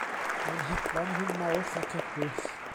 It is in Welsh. Mae'n hedfan rhwng Mawrth ac Ebrill.